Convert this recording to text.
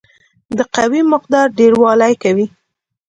د قوې مقدار ډیروالی کوي.